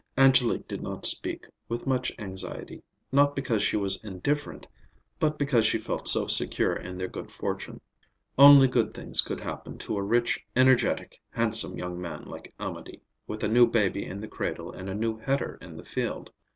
Angélique did not speak with much anxiety, not because she was indifferent, but because she felt so secure in their good fortune. Only good things could happen to a rich, energetic, handsome young man like Amédée, with a new baby in the cradle and a new header in the field.